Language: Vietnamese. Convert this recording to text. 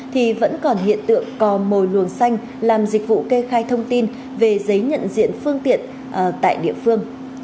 thì vẫn còn hiện tượng cò mồi luồng xanh làm dịch vụ kê khai thông tin về giấy nhận diện phương tiện tại địa phương